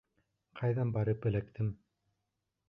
Ҡайҙан барып эләктем?